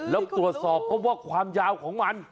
แล้วตรวจสอบเพราะว่าความยาวของมัน